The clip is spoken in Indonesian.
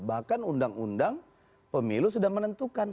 bahkan undang undang pemilu sudah menentukan